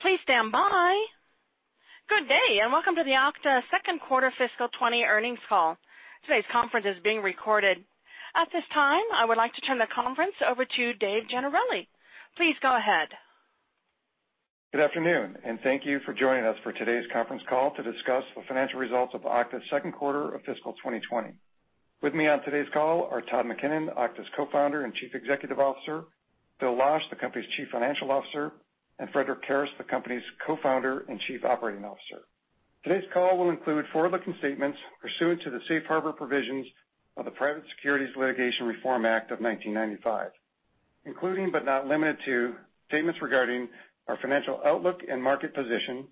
Please stand by. Good day, and welcome to the Okta second quarter fiscal 2020 earnings call. Today's conference is being recorded. At this time, I would like to turn the conference over to Dave Gennarelli. Please go ahead. Good afternoon. Thank you for joining us for today's conference call to discuss the financial results of Okta's second quarter of fiscal 2020. With me on today's call are Todd McKinnon, Okta's Co-founder and Chief Executive Officer, Bill Losch, the company's Chief Financial Officer, and Frederic Kerrest, the company's Co-founder and Chief Operating Officer. Today's call will include forward-looking statements pursuant to the safe harbor provisions of the Private Securities Litigation Reform Act of 1995, including, but not limited to, statements regarding our financial outlook and market position.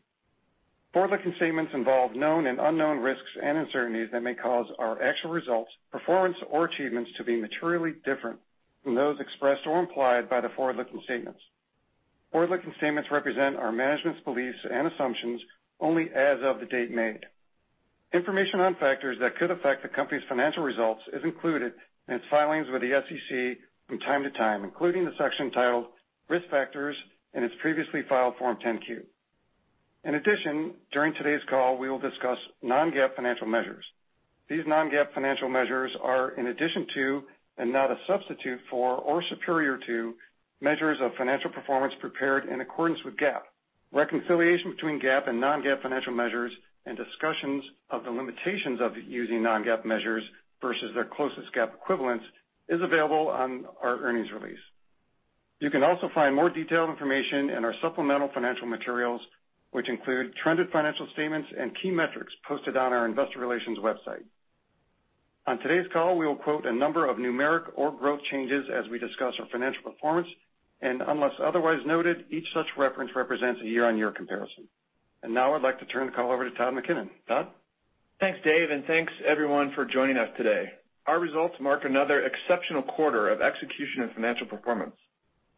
Forward-looking statements involve known and unknown risks and uncertainties that may cause our actual results, performance, or achievements to be materially different from those expressed or implied by the forward-looking statements. Forward-looking statements represent our management's beliefs and assumptions only as of the date made. Information on factors that could affect the company's financial results is included in its filings with the SEC from time to time, including the section titled Risk Factors in its previously filed Form 10-Q. In addition, during today's call, we will discuss non-GAAP financial measures. These non-GAAP financial measures are in addition to, and not a substitute for or superior to, measures of financial performance prepared in accordance with GAAP. Reconciliation between GAAP and non-GAAP financial measures and discussions of the limitations of using non-GAAP measures versus their closest GAAP equivalents is available on our earnings release. You can also find more detailed information in our supplemental financial materials, which include trended financial statements and key metrics posted on our investor relations website. On today's call, we will quote a number of numeric or growth changes as we discuss our financial performance, and unless otherwise noted, each such reference represents a year-on-year comparison. Now I'd like to turn the call over to Todd McKinnon. Todd? Thanks, Dave, and thanks, everyone, for joining us today. Our results mark another exceptional quarter of execution and financial performance.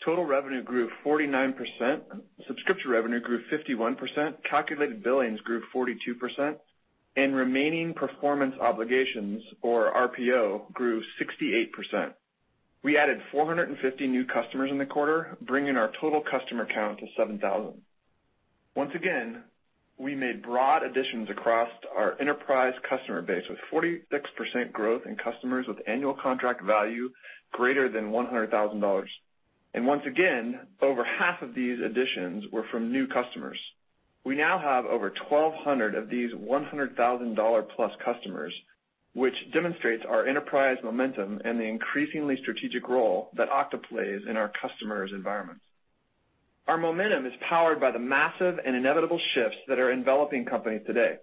Total revenue grew 49%, subscription revenue grew 51%, calculated billings grew 42%, and remaining performance obligations, or RPO, grew 68%. We added 450 new customers in the quarter, bringing our total customer count to 7,000. Once again, we made broad additions across our enterprise customer base, with 46% growth in customers with annual contract value greater than $100,000. Once again, over half of these additions were from new customers. We now have over 1,200 of these $100,000-plus customers, which demonstrates our enterprise momentum and the increasingly strategic role that Okta plays in our customers' environments. Our momentum is powered by the massive and inevitable shifts that are enveloping companies today,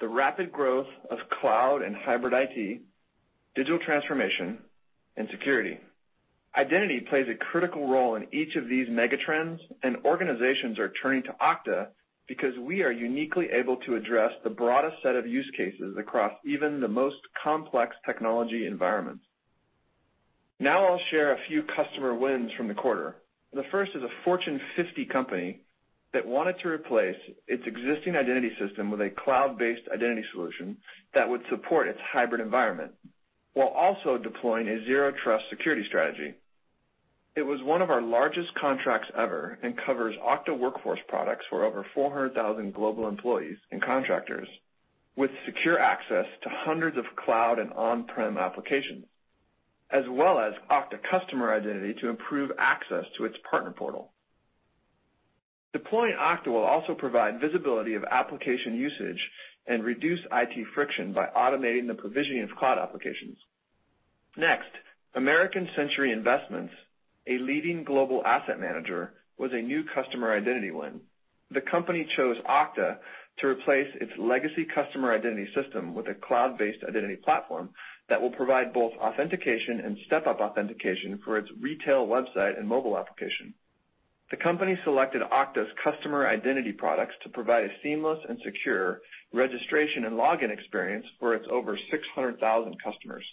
the rapid growth of cloud and hybrid IT, digital transformation, and security. Identity plays a critical role in each of these megatrends, and organizations are turning to Okta because we are uniquely able to address the broadest set of use cases across even the most complex technology environments. Now I'll share a few customer wins from the quarter. The first is a Fortune 50 company that wanted to replace its existing identity system with a cloud-based identity solution that would support its hybrid environment while also deploying a zero-trust security strategy. It was one of our largest contracts ever and covers Okta Workforce products for over 400,000 global employees and contractors with secure access to hundreds of cloud and on-prem applications, as well as Okta Customer Identity to improve access to its partner portal. Deploying Okta will also provide visibility of application usage and reduce IT friction by automating the provisioning of cloud applications. American Century Investments, a leading global asset manager, was a new customer identity win. The company chose Okta to replace its legacy customer identity system with a cloud-based identity platform that will provide both authentication and step-up authentication for its retail website and mobile application. The company selected Okta's customer identity products to provide a seamless and secure registration and login experience for its over 600,000 customers.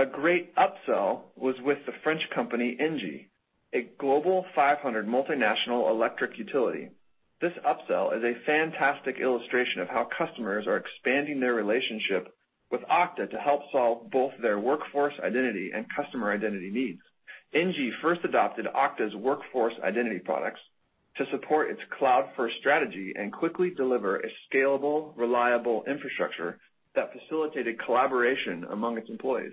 A great upsell was with the French company, ENGIE, a Global 500 multinational electric utility. This upsell is a fantastic illustration of how customers are expanding their relationship with Okta to help solve both their Workforce Identity and customer identity needs. ENGIE first adopted Okta's Workforce Identity products to support its cloud-first strategy and quickly deliver a scalable, reliable infrastructure that facilitated collaboration among its employees.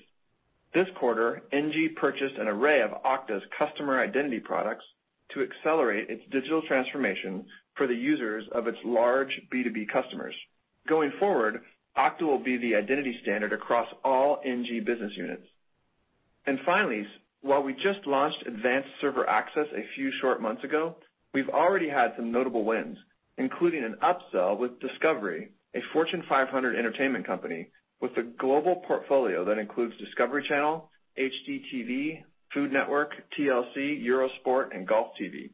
This quarter, Engie purchased an array of Okta's customer identity products to accelerate its digital transformation for the users of its large B2B customers. Going forward, Okta will be the identity standard across all Engie business units. Finally, while we just launched Advanced Server Access a few short months ago, we've already had some notable wins, including an upsell with Discovery, a Fortune 500 entertainment company with a global portfolio that includes Discovery Channel, HGTV, Food Network, TLC, Eurosport, and GolfTV.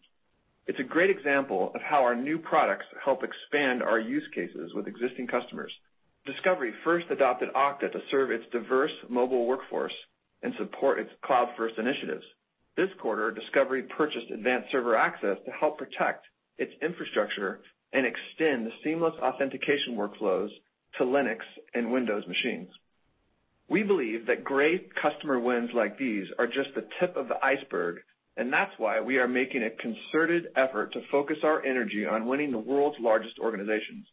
It's a great example of how our new products help expand our use cases with existing customers. Discovery first adopted Okta to serve its diverse mobile workforce and support its cloud-first initiatives. This quarter, Discovery purchased Advanced Server Access to help protect its infrastructure and extend the seamless authentication workflows to Linux and Windows machines. We believe that great customer wins like these are just the tip of the iceberg, and that's why we are making a concerted effort to focus our energy on winning the world's largest organizations.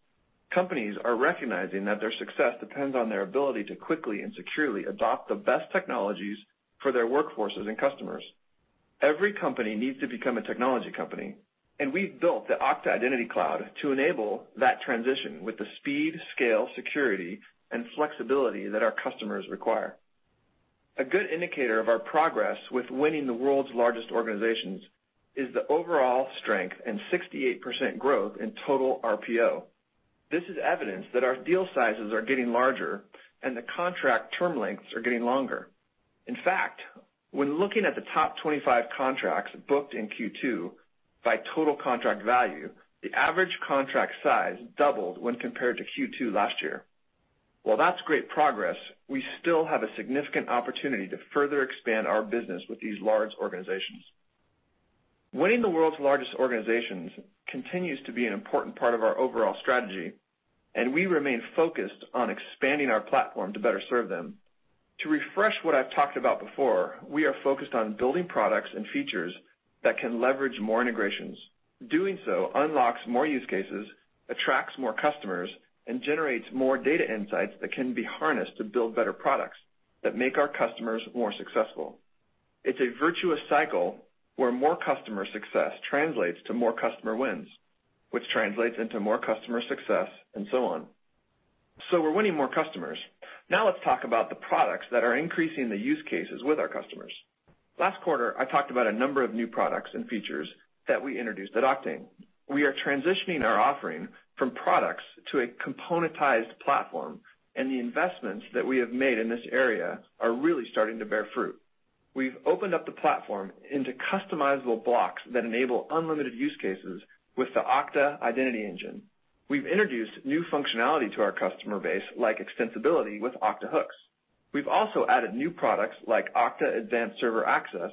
Companies are recognizing that their success depends on their ability to quickly and securely adopt the best technologies for their workforces and customers. Every company needs to become a technology company, and we've built the Okta Identity Cloud to enable that transition with the speed, scale, security, and flexibility that our customers require. A good indicator of our progress with winning the world's largest organizations is the overall strength and 68% growth in total RPO. This is evidence that our deal sizes are getting larger and the contract term lengths are getting longer. In fact, when looking at the top 25 contracts booked in Q2 by total contract value, the average contract size doubled when compared to Q2 last year. While that's great progress, we still have a significant opportunity to further expand our business with these large organizations. Winning the world's largest organizations continues to be an important part of our overall strategy, we remain focused on expanding our platform to better serve them. To refresh what I've talked about before, we are focused on building products and features that can leverage more integrations. Doing so unlocks more use cases, attracts more customers, and generates more data insights that can be harnessed to build better products that make our customers more successful. It's a virtuous cycle where more customer success translates to more customer wins, which translates into more customer success, and so on. We're winning more customers. Let's talk about the products that are increasing the use cases with our customers. Last quarter, I talked about a number of new products and features that we introduced at Okta. We are transitioning our offering from products to a componentized platform, the investments that we have made in this area are really starting to bear fruit. We've opened up the platform into customizable blocks that enable unlimited use cases with the Okta Identity Engine. We've introduced new functionality to our customer base, like extensibility with Okta Hooks. We've also added new products like Okta Advanced Server Access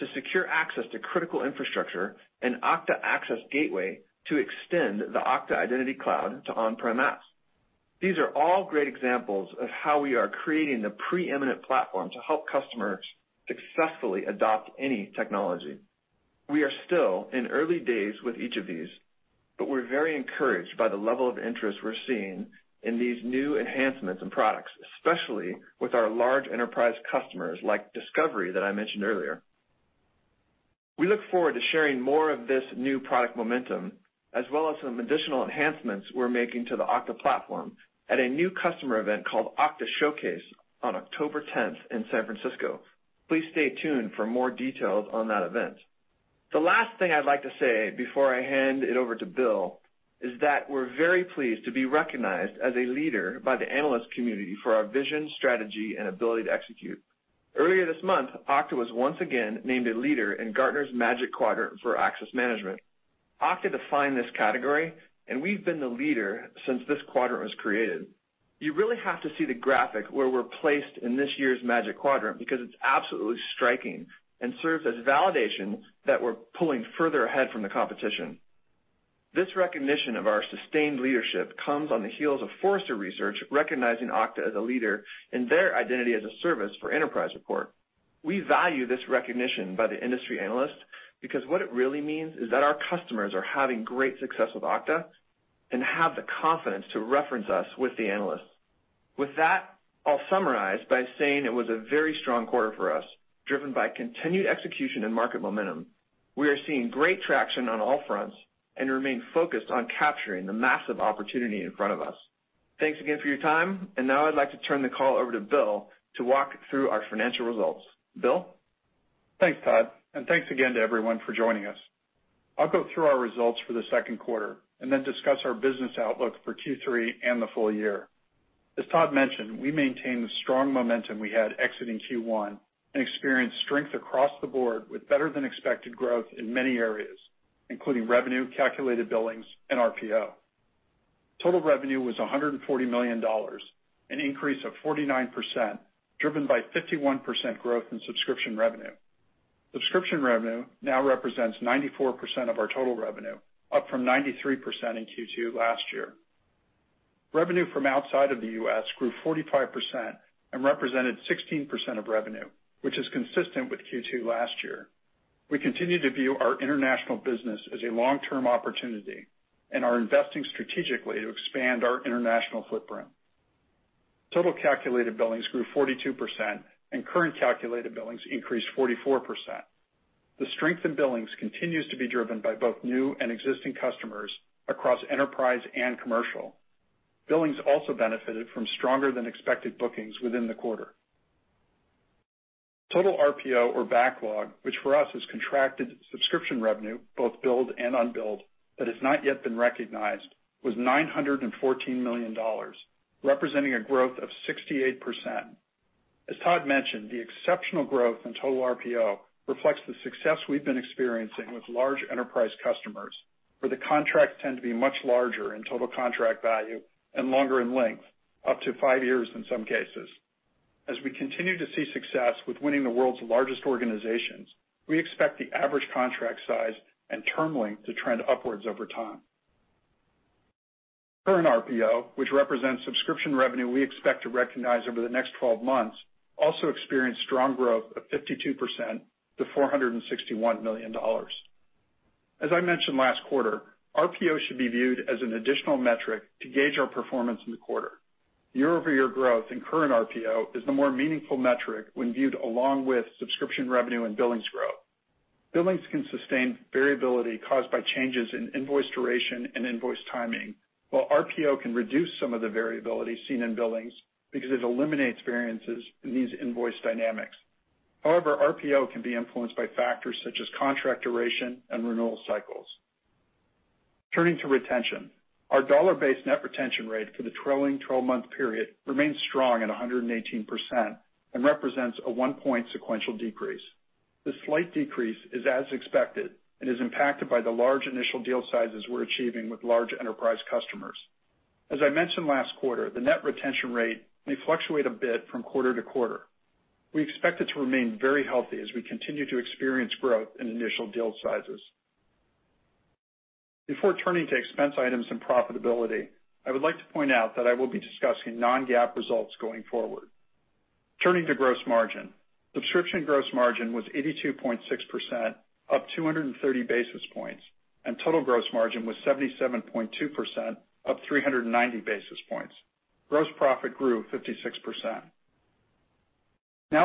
to secure access to critical infrastructure and Okta Access Gateway to extend the Okta Identity Cloud to on-prem apps. These are all great examples of how we are creating the preeminent platform to help customers successfully adopt any technology. We are still in early days with each of these, but we're very encouraged by the level of interest we're seeing in these new enhancements and products, especially with our large enterprise customers like Discovery that I mentioned earlier. We look forward to sharing more of this new product momentum, as well as some additional enhancements we're making to the Okta platform at a new customer event called Okta Showcase on October 10th in San Francisco. Please stay tuned for more details on that event. The last thing I'd like to say before I hand it over to Bill is that we're very pleased to be recognized as a leader by the analyst community for our vision, strategy, and ability to execute. Earlier this month, Okta was once again named a leader in Gartner's Magic Quadrant for access management. Okta defined this category. We've been the leader since this Magic Quadrant was created. You really have to see the graphic where we're placed in this year's Magic Quadrant because it's absolutely striking and serves as validation that we're pulling further ahead from the competition. This recognition of our sustained leadership comes on the heels of Forrester Research recognizing Okta as a leader in their Identity as a Service for Enterprise report. We value this recognition by the industry analysts because what it really means is that our customers are having great success with Okta and have the confidence to reference us with the analysts. With that, I'll summarize by saying it was a very strong quarter for us, driven by continued execution and market momentum. We are seeing great traction on all fronts and remain focused on capturing the massive opportunity in front of us. Thanks again for your time. Now I'd like to turn the call over to Bill to walk through our financial results. Bill? Thanks, Todd, and thanks again to everyone for joining us. I'll go through our results for the second quarter and then discuss our business outlook for Q3 and the full year. As Todd mentioned, we maintained the strong momentum we had exiting Q1 and experienced strength across the board with better-than-expected growth in many areas, including revenue, calculated billings, and RPO. Total revenue was $140 million, an increase of 49%, driven by 51% growth in subscription revenue. Subscription revenue now represents 94% of our total revenue, up from 93% in Q2 last year. Revenue from outside of the U.S. grew 45% and represented 16% of revenue, which is consistent with Q2 last year. We continue to view our international business as a long-term opportunity and are investing strategically to expand our international footprint. Total calculated billings grew 42%, and current calculated billings increased 44%. The strength in billings continues to be driven by both new and existing customers across enterprise and commercial. Billings also benefited from stronger-than-expected bookings within the quarter. Total RPO or backlog, which for us is contracted subscription revenue, both billed and unbilled, that has not yet been recognized, was $914 million, representing a growth of 68%. As Todd mentioned, the exceptional growth in total RPO reflects the success we've been experiencing with large enterprise customers, where the contracts tend to be much larger in total contract value and longer in length, up to five years in some cases. As we continue to see success with winning the world's largest organizations, we expect the average contract size and term length to trend upwards over time. Current RPO, which represents subscription revenue we expect to recognize over the next 12 months, also experienced strong growth of 52% to $461 million. As I mentioned last quarter, RPO should be viewed as an additional metric to gauge our performance in the quarter. Year-over-year growth in current RPO is the more meaningful metric when viewed along with subscription revenue and billings growth. Billings can sustain variability caused by changes in invoice duration and invoice timing, while RPO can reduce some of the variability seen in billings because it eliminates variances in these invoice dynamics. However, RPO can be influenced by factors such as contract duration and renewal cycles. Turning to retention. Our dollar-based net retention rate for the trailing 12-month period remains strong at 118% and represents a one-point sequential decrease. The slight decrease is as expected and is impacted by the large initial deal sizes we're achieving with large enterprise customers. As I mentioned last quarter, the net retention rate may fluctuate a bit from quarter to quarter. We expect it to remain very healthy as we continue to experience growth in initial deal sizes. Before turning to expense items and profitability, I would like to point out that I will be discussing non-GAAP results going forward. Turning to gross margin. Subscription gross margin was 82.6%, up 230 basis points, and total gross margin was 77.2%, up 390 basis points. Gross profit grew 56%.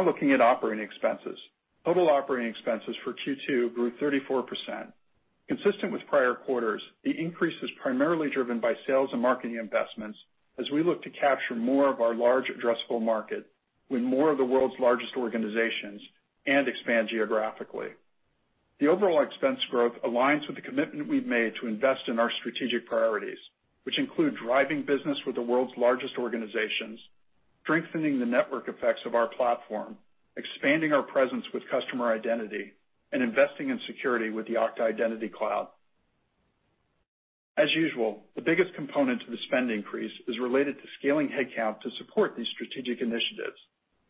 Looking at operating expenses. Total operating expenses for Q2 grew 34%. Consistent with prior quarters, the increase is primarily driven by sales and marketing investments as we look to capture more of our large addressable market with more of the world's largest organizations and expand geographically. The overall expense growth aligns with the commitment we've made to invest in our strategic priorities, which include driving business with the world's largest organizations, strengthening the network effects of our platform, expanding our presence with customer identity, and investing in security with the Okta Identity Cloud. As usual, the biggest component of the spend increase is related to scaling headcount to support these strategic initiatives.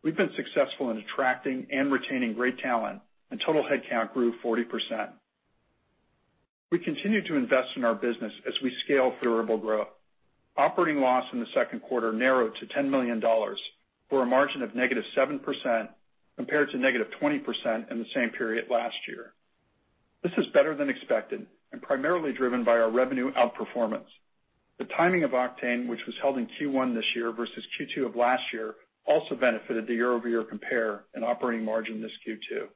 We've been successful in attracting and retaining great talent, and total headcount grew 40%. We continue to invest in our business as we scale through durable growth. Operating loss in the second quarter narrowed to $10 million, or a margin of negative 7%, compared to negative 20% in the same period last year. This is better than expected and primarily driven by our revenue outperformance. The timing of Oktane, which was held in Q1 this year versus Q2 of last year, also benefited the year-over-year compare in operating margin this Q2.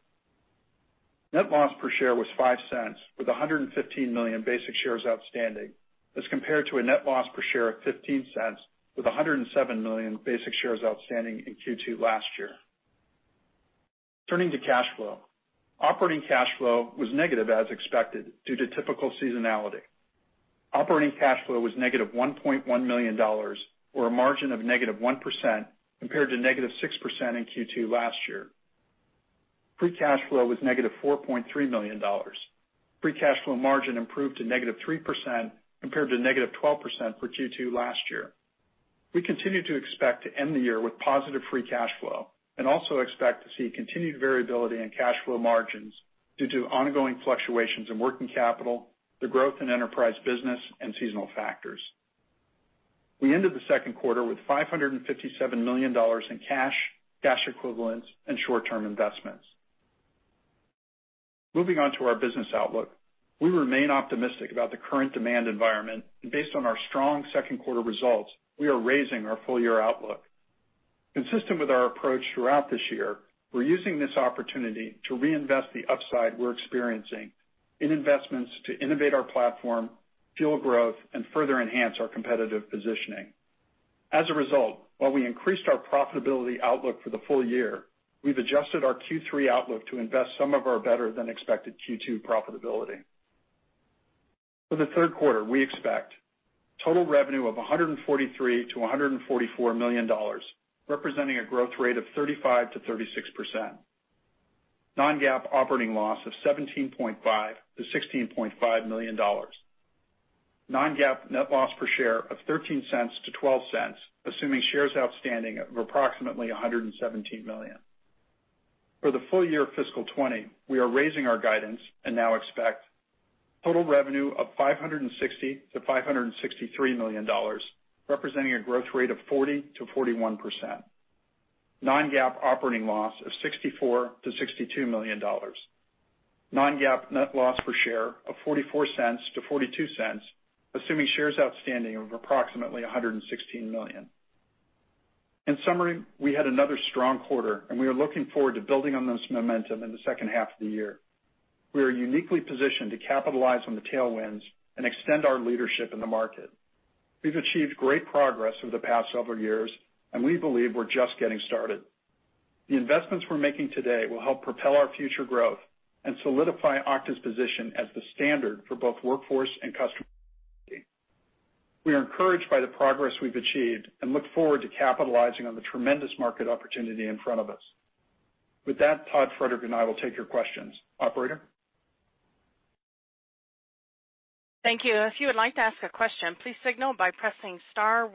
Net loss per share was $0.05, with 115 million basic shares outstanding, as compared to a net loss per share of $0.15, with 107 million basic shares outstanding in Q2 last year. Turning to cash flow. Operating cash flow was negative as expected due to typical seasonality. Operating cash flow was negative $1.1 million, or a margin of -1%, compared to -6% in Q2 last year. Free cash flow was negative $4.3 million. Free cash flow margin improved to -3%, compared to -12% for Q2 last year. We continue to expect to end the year with positive free cash flow and also expect to see continued variability in cash flow margins due to ongoing fluctuations in working capital, the growth in enterprise business, and seasonal factors. We ended the second quarter with $557 million in cash equivalents, and short-term investments. Moving on to our business outlook. We remain optimistic about the current demand environment, and based on our strong second quarter results, we are raising our full-year outlook. Consistent with our approach throughout this year, we're using this opportunity to reinvest the upside we're experiencing in investments to innovate our platform, fuel growth, and further enhance our competitive positioning. As a result, while we increased our profitability outlook for the full year, we've adjusted our Q3 outlook to invest some of our better-than-expected Q2 profitability. For the third quarter, we expect total revenue of $143 million-$144 million, representing a growth rate of 35%-36%. Non-GAAP operating loss of $17.5 million-$16.5 million. Non-GAAP net loss per share of $0.13-$0.12, assuming shares outstanding of approximately 117 million. For the full year fiscal 2020, we are raising our guidance and now expect total revenue of $560 million-$563 million, representing a growth rate of 40%-41%. Non-GAAP operating loss of $64 million-$62 million. Non-GAAP net loss per share of $0.44-$0.42, assuming shares outstanding of approximately 116 million. In summary, we had another strong quarter, and we are looking forward to building on this momentum in the second half of the year. We are uniquely positioned to capitalize on the tailwinds and extend our leadership in the market. We've achieved great progress over the past several years, and we believe we're just getting started. The investments we're making today will help propel our future growth and solidify Okta's position as the standard for both Workforce Identity and Customer Identity. We are encouraged by the progress we've achieved and look forward to capitalizing on the tremendous market opportunity in front of us. With that, Todd, Frederic, and I will take your questions. Operator? Thank you. If you would like to ask a question, please signal by pressing *1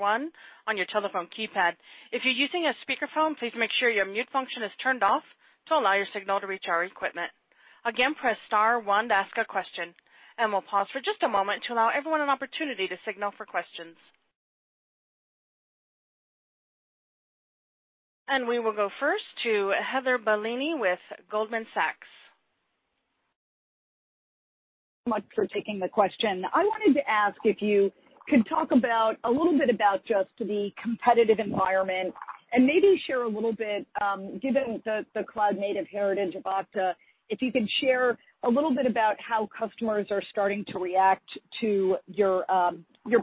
on your telephone keypad. If you're using a speakerphone, please make sure your mute function is turned off to allow your signal to reach our equipment. Press star one to ask a question. We'll pause for just a moment to allow everyone an opportunity to signal for questions. We will go first to Heather Bellini with Goldman Sachs. Thank you so much for taking the question. I wanted to ask if you could talk a little bit about just the competitive environment and maybe share a little bit, given the cloud-native heritage of Okta, if you could share a little bit about how customers are starting to react to your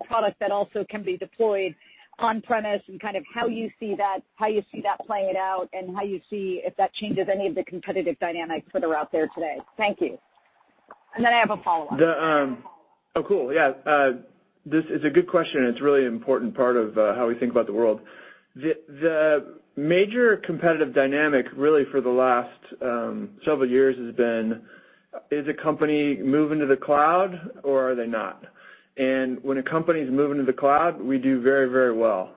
product that also can be deployed on-premise, and how you see that playing out, and how you see if that changes any of the competitive dynamics that are out there today. Thank you. Then I have a follow-up. Oh, cool. Yeah. This is a good question. It's a really important part of how we think about the world. The major competitive dynamic really for the last several years has been, is a company moving to the cloud or are they not? When a company's moving to the cloud, we do very well.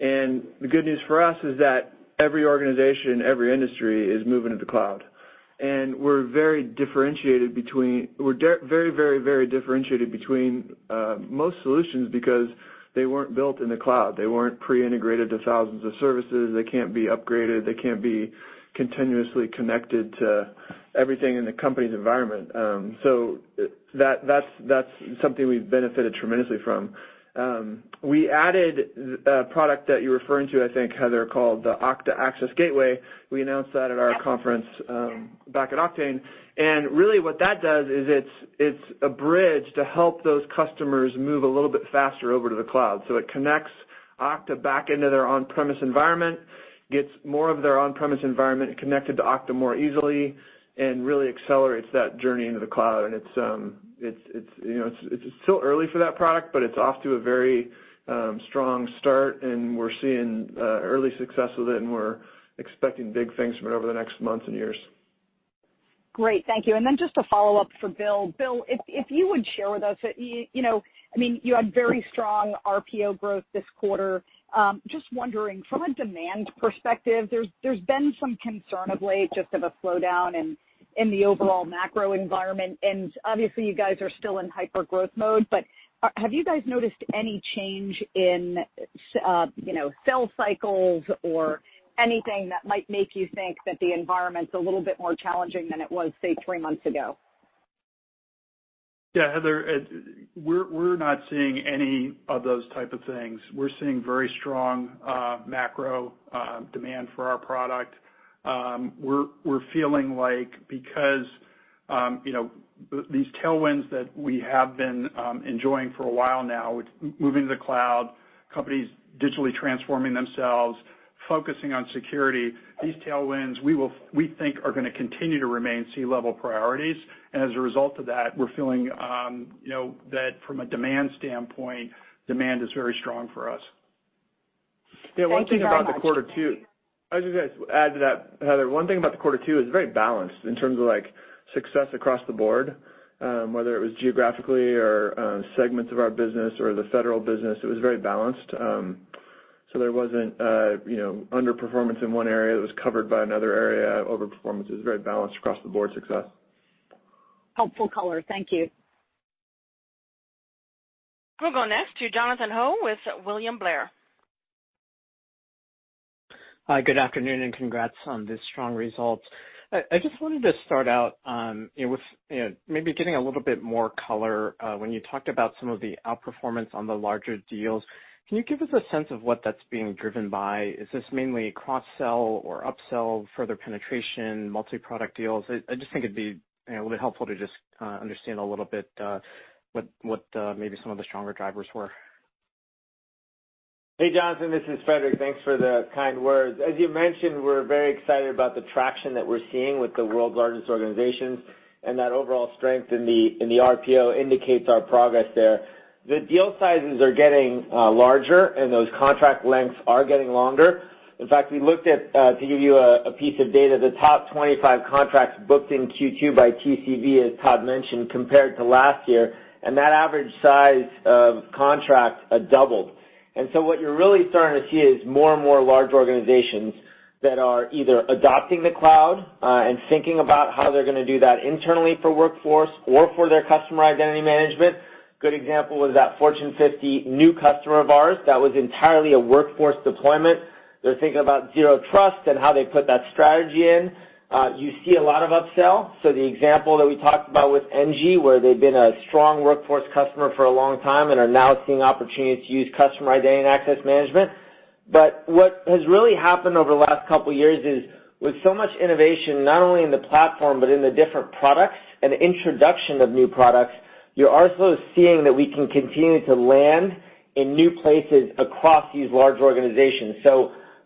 The good news for us is that every organization, every industry is moving to the cloud. We're very differentiated between most solutions because they weren't built in the cloud. They weren't pre-integrated to thousands of services. They can't be upgraded. They can't be continuously connected to everything in the company's environment. That's something we've benefited tremendously from. We added a product that you're referring to, I think, Heather, called the Okta Access Gateway. We announced that at our conference- Yes back at Oktane. Really what that does is it's a bridge to help those customers move a little bit faster over to the cloud. It connects Okta back into their on-premise environment, gets more of their on-premise environment connected to Okta more easily, and really accelerates that journey into the cloud. It's still early for that product, but it's off to a very strong start, and we're seeing early success with it, and we're expecting big things from it over the next months and years. Great. Thank you. Just a follow-up for Bill. Bill, if you would share with us, you had very strong RPO growth this quarter. Just wondering from a demand perspective, there's been some concern of late just of a slowdown in the overall macro environment. Obviously you guys are still in hyper-growth mode, but have you guys noticed any change in sell cycles or anything that might make you think that the environment's a little bit more challenging than it was, say, three months ago? Yeah, Heather, we're not seeing any of those type of things. We're seeing very strong macro demand for our product. We're feeling like because these tailwinds that we have been enjoying for a while now with moving to the cloud, companies digitally transforming themselves, focusing on security, these tailwinds, we think are going to continue to remain C-level priorities. As a result of that, we're feeling that from a demand standpoint, demand is very strong for us. Thank you very much. I was just going to add to that, Heather, one thing about the quarter, too, it was very balanced in terms of success across the board, whether it was geographically or segments of our business or the federal business. It was very balanced. There wasn't underperformance in one area that was covered by another area, overperformance. It was very balanced across the board success. Helpful color. Thank you. We'll go next to Jonathan Ho with William Blair. Hi, good afternoon, and congrats on the strong results. I just wanted to start out with maybe getting a little bit more color. When you talked about some of the outperformance on the larger deals, can you give us a sense of what that's being driven by? Is this mainly cross-sell or upsell, further penetration, multi-product deals? I just think it'd be a little bit helpful to just understand a little bit what maybe some of the stronger drivers were. Hey, Jonathan. This is Frederic. Thanks for the kind words. As you mentioned, we're very excited about the traction that we're seeing with the world's largest organizations. That overall strength in the RPO indicates our progress there. The deal sizes are getting larger. Those contract lengths are getting longer. In fact, we looked at, to give you a piece of data, the top 25 contracts booked in Q2 by TCV, as Todd mentioned, compared to last year. That average size of contracts doubled. What you're really starting to see is more and more large organizations that are either adopting the cloud and thinking about how they're going to do that internally for workforce or for their customer identity management. Good example was that Fortune 50 new customer of ours that was entirely a workforce deployment. They're thinking about zero-trust and how they put that strategy in. You see a lot of upsell. The example that we talked about with Engie, where they've been a strong Workforce customer for a long time and are now seeing opportunities to use customer identity and access management. What has really happened over the last couple of years is with so much innovation, not only in the platform but in the different products and introduction of new products, you are also seeing that we can continue to land in new places across these large organizations.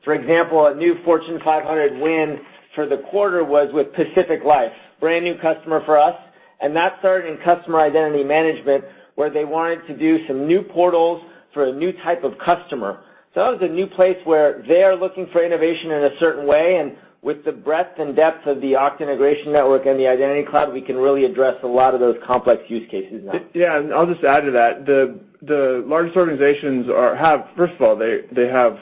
For example, a new Fortune 500 win for the quarter was with Pacific Life, brand-new customer for us. That started in Customer Identity management, where they wanted to do some new portals for a new type of customer. That was a new place where they are looking for innovation in a certain way, and with the breadth and depth of the Okta Integration Network and the Identity Cloud, we can really address a lot of those complex use cases now. Yeah, I'll just add to that. The largest organizations, first of all, they have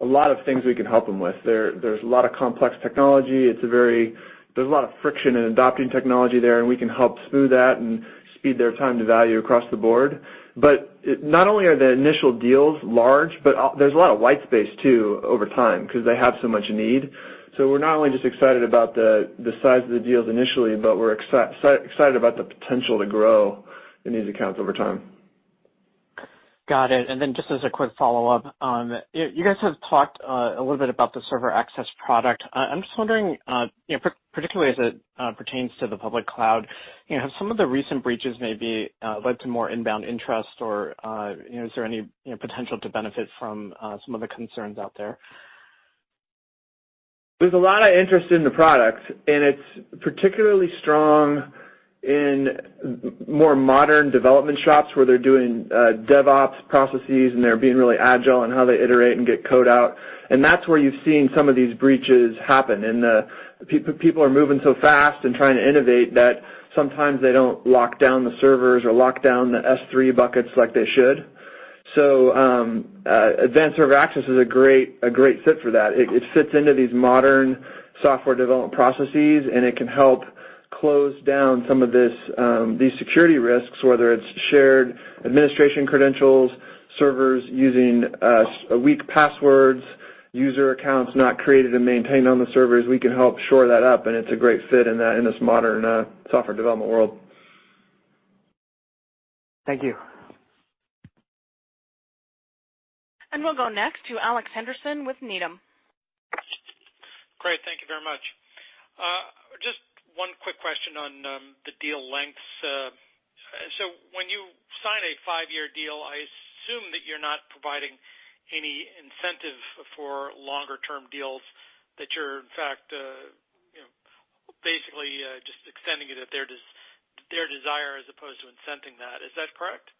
a lot of things we can help them with. There's a lot of complex technology. There's a lot of friction in adopting technology there. We can help smooth that and speed their time to value across the board. Not only are the initial deals large, but there's a lot of white space too over time because they have so much need. We're not only just excited about the size of the deals initially, but we're excited about the potential to grow in these accounts over time. Got it. Just as a quick follow-up on, you guys have talked a little bit about the server access product. I'm just wondering, particularly as it pertains to the public cloud, have some of the recent breaches maybe led to more inbound interest, or is there any potential to benefit from some of the concerns out there? There's a lot of interest in the product, and it's particularly strong in more modern development shops where they're doing DevOps processes, and they're being really agile in how they iterate and get code out. That's where you've seen some of these breaches happen. People are moving so fast and trying to innovate that sometimes they don't lock down the servers or lock down the S3 buckets like they should. Advanced Server Access is a great fit for that. It fits into these modern software development processes, and it can help close down some of these security risks, whether it's shared administration credentials, servers using weak passwords, user accounts not created and maintained on the servers. We can help shore that up, and it's a great fit in this modern software development world. Thank you. We'll go next to Alex Henderson with Needham. Great. Thank you very much. Just one quick question on the deal lengths. When you sign a five-year deal, I assume that you're not providing any incentive for longer-term deals, that you're, in fact, basically just extending it at their desire as opposed to incenting that. Is that correct?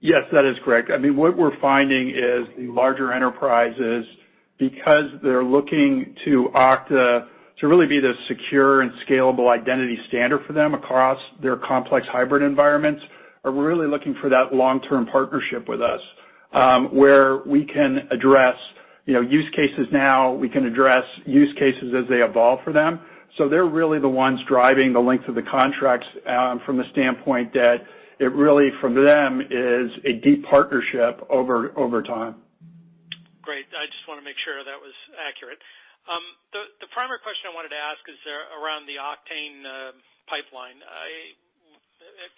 Yes, that is correct. What we're finding is the larger enterprises, because they're looking to Okta to really be the secure and scalable identity standard for them across their complex hybrid environments, are really looking for that long-term partnership with us where we can address use cases now, we can address use cases as they evolve for them. So they're really the ones driving the length of the contracts from the standpoint that it really, for them, is a deep partnership over time. Great. I just want to make sure that was accurate. The primary question I wanted to ask is around the Oktane pipeline. I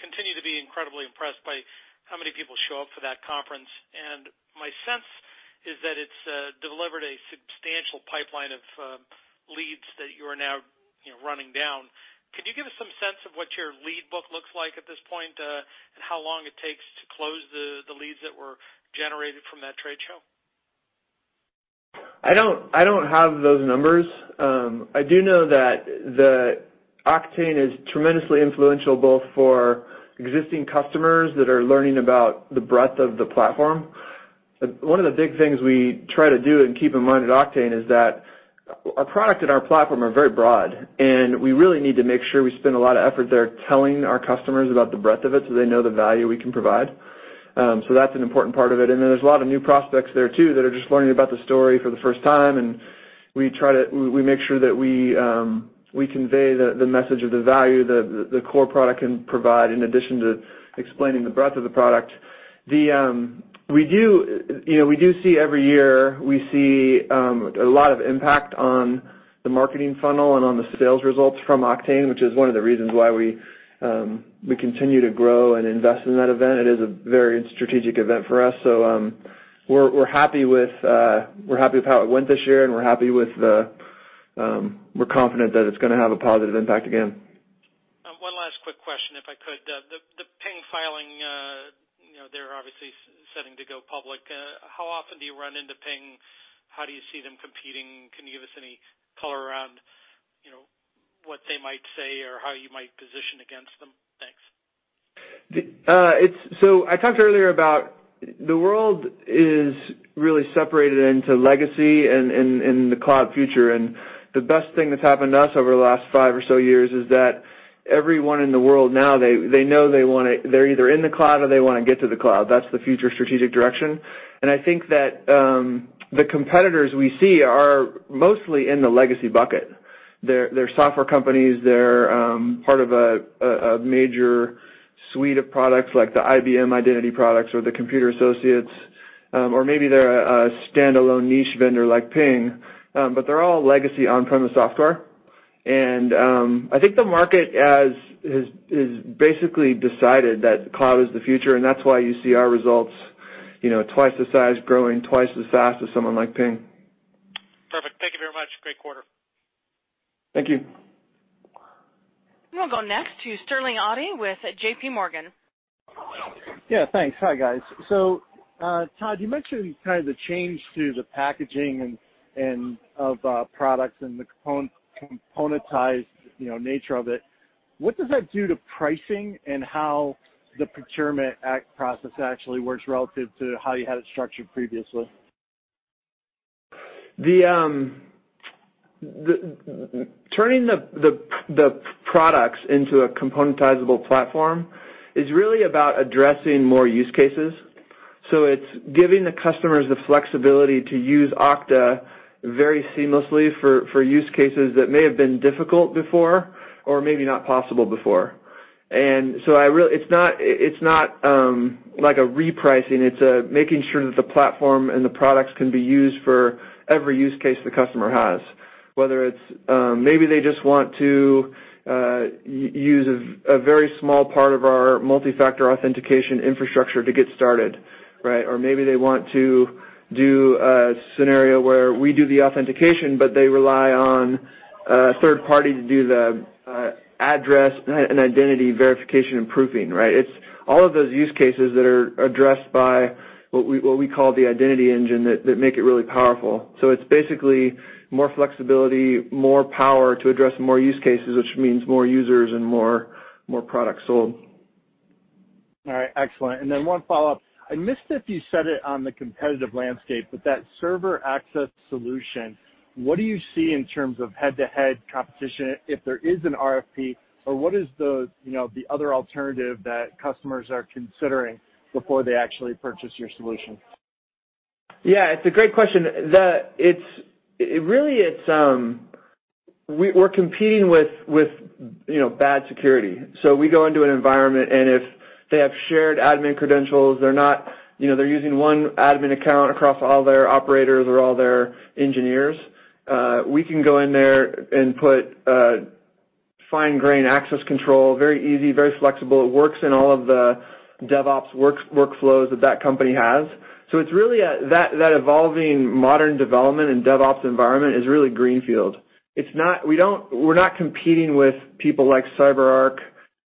continue to be incredibly impressed by how many people show up for that conference, and my sense is that it's delivered a substantial pipeline of leads that you are now running down. Could you give us some sense of what your lead book looks like at this point, and how long it takes to close the leads that were generated from that trade show? I don't have those numbers. I do know that Oktane is tremendously influential both for existing customers that are learning about the breadth of the platform. One of the big things we try to do and keep in mind at Oktane is that our product and our platform are very broad. We really need to make sure we spend a lot of effort there telling our customers about the breadth of it so they know the value we can provide. That's an important part of it. There's a lot of new prospects there too that are just learning about the story for the first time, and we make sure that we convey the message of the value the core product can provide in addition to explaining the breadth of the product. We do see every year, we see a lot of impact on the marketing funnel and on the sales results from Oktane, which is one of the reasons why we continue to grow and invest in that event. It is a very strategic event for us. We're happy with how it went this year, and we're confident that it's going to have a positive impact again. One last quick question, if I could. The Ping filing, they're obviously setting to go public. How often do you run into Ping? How do you see them competing? Can you give us any color around what they might say or how you might position against them? Thanks. I talked earlier about the world is really separated into legacy and the cloud future. The best thing that's happened to us over the last five or so years is that everyone in the world now, they know they're either in the cloud or they want to get to the cloud. That's the future strategic direction. I think that the competitors we see are mostly in the legacy bucket. They're software companies. They're part of a major suite of products like the IBM identity products or the Computer Associates, or maybe they're a standalone niche vendor like Ping. They're all legacy on-premise software. I think the market has basically decided that cloud is the future, and that's why you see our results twice the size, growing twice as fast as someone like Ping. Perfect. Thank you very much. Great quarter. Thank you. We'll go next to Sterling Auty with JPMorgan. Yeah, thanks. Hi, guys. Todd, you mentioned kind of the change to the packaging of products and the componentized nature of it. What does that do to pricing and how the procurement process actually works relative to how you had it structured previously? Turning the products into a componentizable platform is really about addressing more use cases. It's giving the customers the flexibility to use Okta very seamlessly for use cases that may have been difficult before, or maybe not possible before. It's not like a repricing. It's making sure that the platform and the products can be used for every use case the customer has, whether it's maybe they just want to use a very small part of our multi-factor authentication infrastructure to get started, right? Maybe they want to do a scenario where we do the authentication, but they rely on a third party to do the address and identity verification and proofing, right? It's all of those use cases that are addressed by what we call the Okta Identity Engine that make it really powerful. It's basically more flexibility, more power to address more use cases, which means more users and more products sold. All right. Excellent. One follow-up. I missed if you said it on the competitive landscape, but that server access solution, what do you see in terms of head-to-head competition if there is an RFP, or what is the other alternative that customers are considering before they actually purchase your solution? Yeah, it's a great question. We're competing with bad security. We go into an environment, and if they have shared admin credentials, they're using one admin account across all their operators or all their engineers, we can go in there and put fine-grain access control, very easy, very flexible. It works in all of the DevOps workflows that company has. That evolving modern development and DevOps environment is really greenfield. We're not competing with people like CyberArk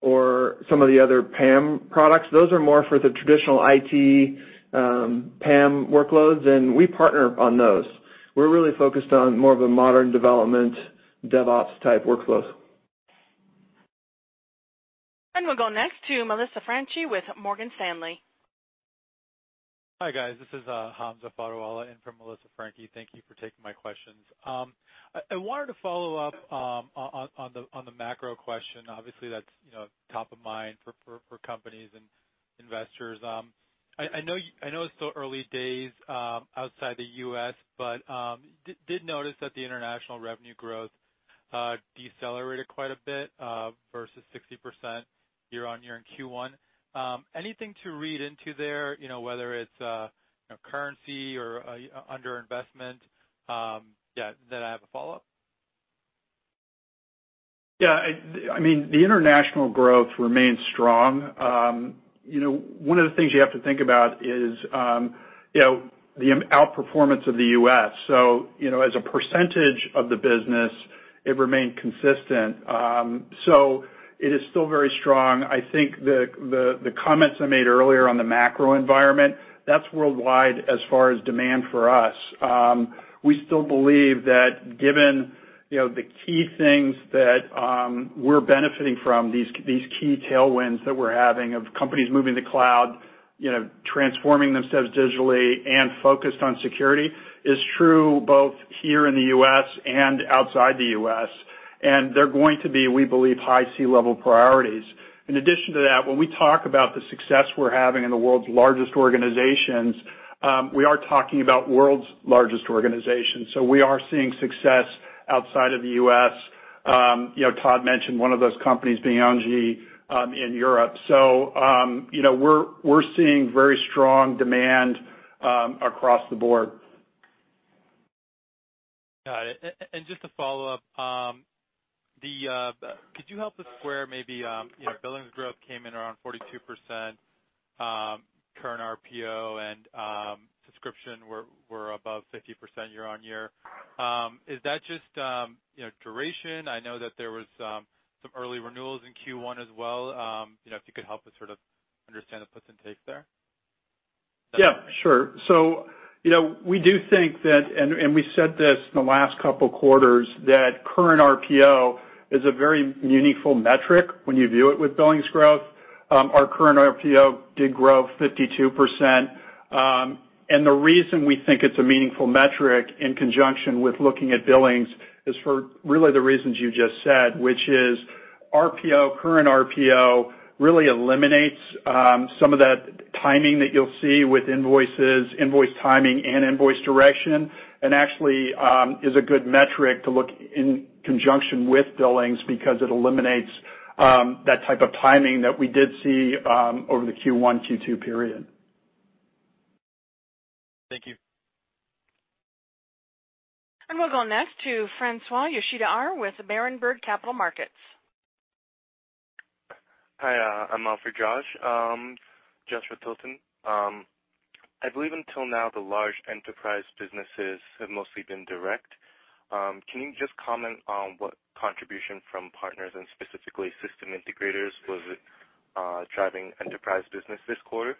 or some of the other PAM products. Those are more for the traditional IT PAM workloads, and we partner on those. We're really focused on more of a modern development, DevOps type workflows. We'll go next to Melissa Franchi with Morgan Stanley. Hi, guys. This is Hamza Fodderwala in for Melissa Franchi. Thank you for taking my questions. I wanted to follow up on the macro question, obviously that's top of mind for companies and investors. I know it's still early days outside the U.S., but did notice that the international revenue growth decelerated quite a bit versus 60% year-on-year in Q1. Anything to read into there, whether it's currency or under investment? Yeah. I have a follow-up. Yeah, the international growth remains strong. One of the things you have to think about is the outperformance of the U.S. As a percentage of the business, it remained consistent. It is still very strong. I think the comments I made earlier on the macro environment, that's worldwide as far as demand for us. We still believe that given the key things that we're benefiting from, these key tailwinds that we're having of companies moving to cloud, transforming themselves digitally, and focused on security is true both here in the U.S. and outside the U.S. They're going to be, we believe, high C-level priorities. In addition to that, when we talk about the success we're having in the world's largest organizations, we are talking about world's largest organizations. We are seeing success outside of the U.S. Todd mentioned one of those companies being ENGIE in Europe. We're seeing very strong demand across the board. Got it. Just to follow up, could you help us where maybe billings growth came in around 42%, current RPO and subscription were above 50% year-on-year. Is that just duration? I know that there was some early renewals in Q1 as well. If you could help us sort of understand the puts and takes there? Yeah, sure. We do think that, and we said this in the last couple of quarters, that current RPO is a very meaningful metric when you view it with billings growth. Our current RPO did grow 52%, the reason we think it's a meaningful metric in conjunction with looking at billings is for really the reasons you just said, which is current RPO really eliminates some of that timing that you'll see with invoices, invoice timing, and invoice direction, and actually is a good metric to look in conjunction with billings because it eliminates that type of timing that we did see over the Q1, Q2 period. Thank you. We'll go next to Francois-Xavier Bouvignies with Berenberg Capital Markets. Hi, I'm Wolfe Josh. Joshua Tilton. I believe until now the large enterprise businesses have mostly been direct. Can you just comment on what contribution from partners and specifically system integrators was driving enterprise business this quarter?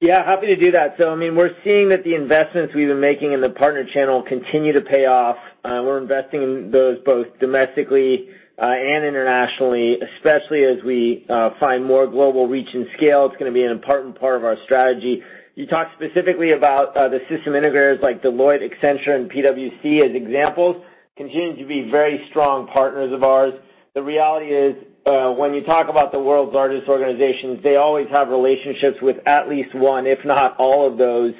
Yeah, happy to do that. We're seeing that the investments we've been making in the partner channel continue to pay off. We're investing in those both domestically and internationally, especially as we find more global reach and scale. It's going to be an important part of our strategy. You talked specifically about the system integrators like Deloitte, Accenture, and PwC as examples, continue to be very strong partners of ours. The reality is, when you talk about the world's largest organizations, they always have relationships with at least one, if not all of those,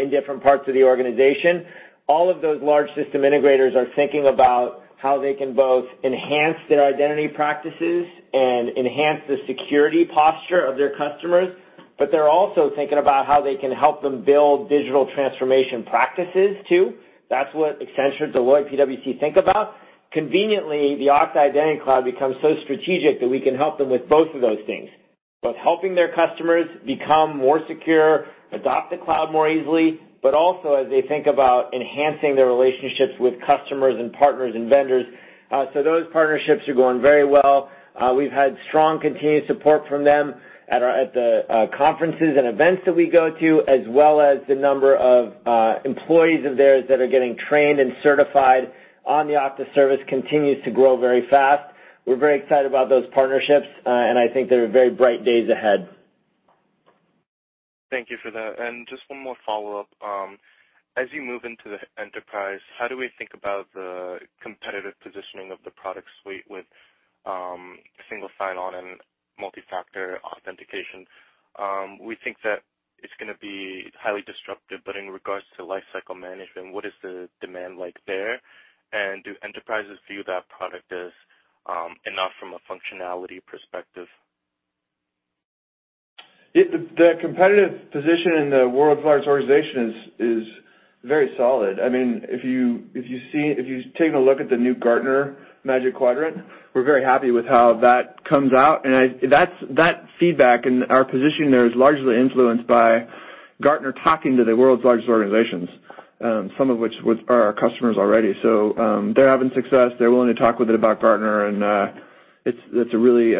in different parts of the organization. All of those large system integrators are thinking about how they can both enhance their identity practices and enhance the security posture of their customers. They're also thinking about how they can help them build digital transformation practices, too. That's what Accenture, Deloitte, PwC think about. Conveniently, the Okta Identity Cloud becomes so strategic that we can help them with both of those things, both helping their customers become more secure, adopt the cloud more easily, but also as they think about enhancing their relationships with customers and partners and vendors. Those partnerships are going very well. We've had strong, continued support from them at the conferences and events that we go to, as well as the number of employees of theirs that are getting trained and certified on the Okta service continues to grow very fast. We're very excited about those partnerships. I think there are very bright days ahead. Thank you for that. Just one more follow-up. As you move into the enterprise, how do we think about the competitive positioning of the product suite with single sign-on and multi-factor authentication? We think that it's going to be highly disruptive, in regards to lifecycle management, what is the demand like there? Do enterprises view that product as enough from a functionality perspective? The competitive position in the world's largest organization is very solid. If you've taken a look at the new Gartner Magic Quadrant, we're very happy with how that comes out. That feedback and our position there is largely influenced by Gartner talking to the world's largest organizations, some of which are our customers already. They're having success. They're willing to talk with it about Gartner, and it's a really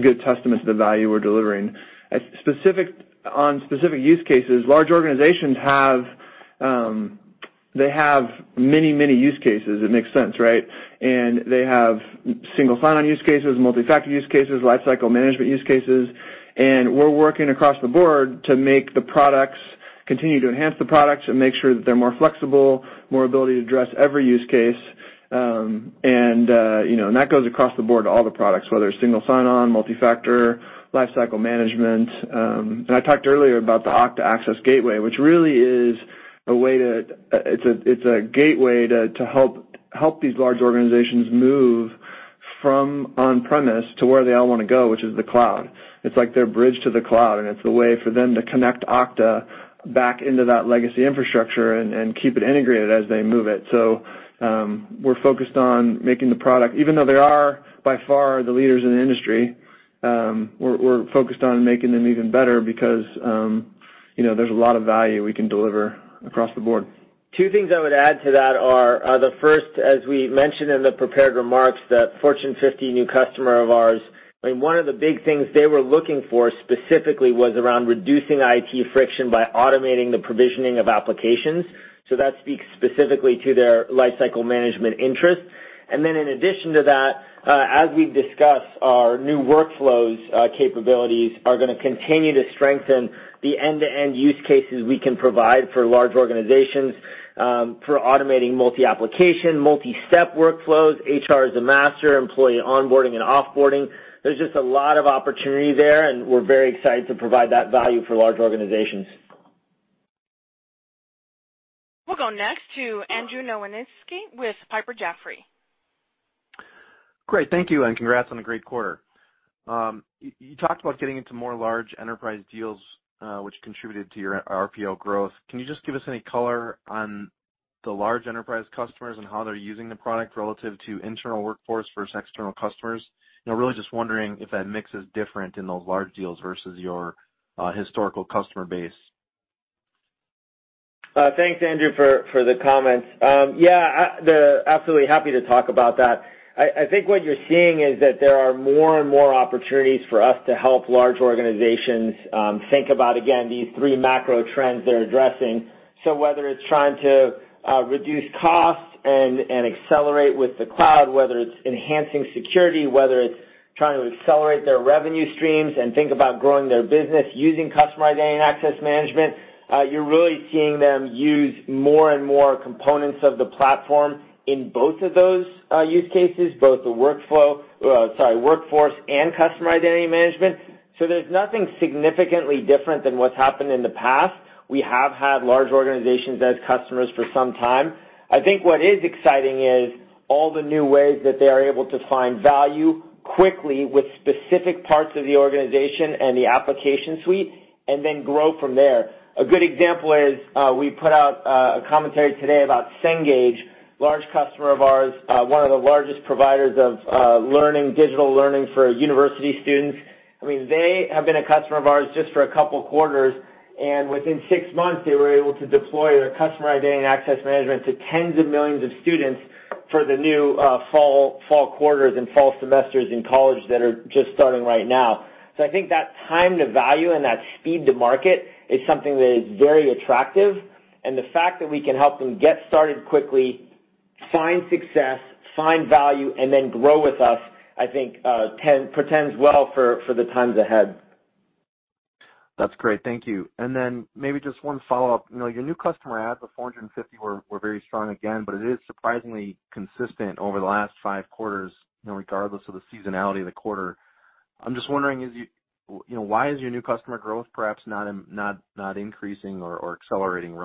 good testament to the value we're delivering. On specific use cases, large organizations have many use cases. It makes sense, right? They have single sign-on use cases, multi-factor use cases, lifecycle management use cases. We're working across the board to continue to enhance the products and make sure that they're more flexible, more ability to address every use case. That goes across the board to all the products, whether it's single sign-on, multi-factor, lifecycle management. I talked earlier about the Okta Access Gateway, which really is a gateway to help these large organizations move from on-premise to where they all want to go, which is the cloud. It's like their bridge to the cloud, and it's a way for them to connect Okta back into that legacy infrastructure and keep it integrated as they move it. We're focused on making the product, even though they are by far the leaders in the industry, we're focused on making them even better because there's a lot of value we can deliver across the board. Two things I would add to that are, the first, as we mentioned in the prepared remarks, that Fortune 50 new customer of ours, one of the big things they were looking for specifically was around reducing IT friction by automating the provisioning of applications. That speaks specifically to their lifecycle management interest. In addition to that, as we've discussed, our new workflows capabilities are going to continue to strengthen the end-to-end use cases we can provide for large organizations for automating multi-application, multi-step workflows. HR as a master, employee onboarding and off-boarding. There's just a lot of opportunity there, and we're very excited to provide that value for large organizations. We'll go next to Andrew Nowinski with Piper Jaffray. Great. Thank you. Congrats on a great quarter. You talked about getting into more large enterprise deals, which contributed to your RPO growth. Can you just give us any color on the large enterprise customers and how they're using the product relative to internal workforce versus external customers? Really just wondering if that mix is different in those large deals versus your historical customer base. Thanks, Andrew, for the comments. Yeah, absolutely happy to talk about that. I think what you're seeing is that there are more and more opportunities for us to help large organizations think about, again, these three macro trends they're addressing. Whether it's trying to reduce costs and accelerate with the cloud, whether it's enhancing security, whether it's trying to accelerate their revenue streams and think about growing their business using customer identity and access management, you're really seeing them use more and more components of the platform in both of those use cases, both the workforce and customer identity management. There's nothing significantly different than what's happened in the past. We have had large organizations as customers for some time. I think what is exciting is all the new ways that they are able to find value quickly with specific parts of the organization and the application suite, and then grow from there. A good example is, we put out a commentary today about Cengage, large customer of ours, one of the largest providers of digital learning for university students. They have been a customer of ours just for a couple of quarters, and within six months, they were able to deploy their customer identity and access management to tens of millions of students For the new fall quarters and fall semesters in college that are just starting right now. I think that time to value and that speed to market is something that is very attractive. The fact that we can help them get started quickly, find success, find value, and then grow with us, I think, portends well for the times ahead. That's great. Thank you. Then maybe just one follow-up. Your new customer adds, the 450, were very strong again. It is surprisingly consistent over the last five quarters, regardless of the seasonality of the quarter. I'm just wondering, why is your new customer growth perhaps not increasing or accelerating,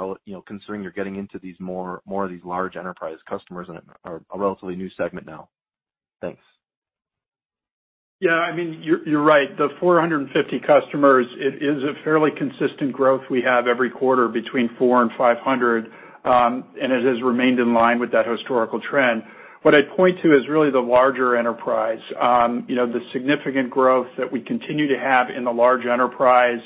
considering you're getting into more of these large enterprise customers and are a relatively new segment now? Thanks. Yeah, you're right. The 450 customers, it is a fairly consistent growth we have every quarter between 400 and 500, and it has remained in line with that historical trend. What I'd point to is really the larger enterprise. The significant growth that we continue to have in the large enterprise.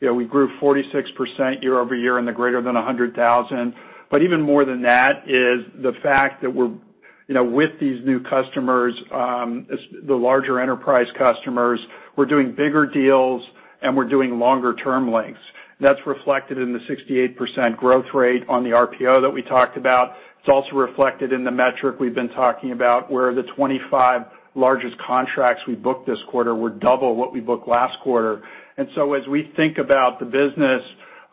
We grew 46% year-over-year in the greater than $100,000. Even more than that is the fact that with these new customers, the larger enterprise customers, we're doing bigger deals and we're doing longer term lengths. That's reflected in the 68% growth rate on the RPO that we talked about. It's also reflected in the metric we've been talking about, where the 25 largest contracts we booked this quarter were double what we booked last quarter. As we think about the business,